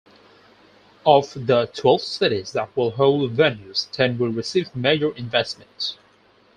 Of the twelve cities that will hold venues, ten will receive major investments.